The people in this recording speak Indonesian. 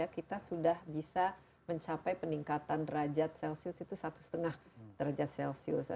kita sudah bisa mencapai peningkatan derajat celcius itu satu lima derajat celcius